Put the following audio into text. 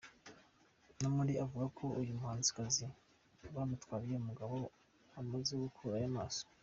Namuli uvuga ko uyu muhanzikazi yamutwariye umugabo yamaze gukurayo amaso.